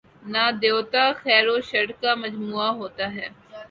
نہ دیوتا، خیر وشرکا مجموعہ ہوتا ہے۔